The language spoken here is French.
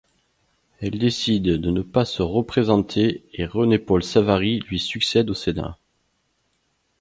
Elle décide de ne pas se représenter et René-Paul Savary lui succède au Sénat.